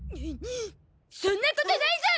そんなことないゾ！